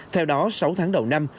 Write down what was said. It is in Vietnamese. theo đó sáu tháng đầu năm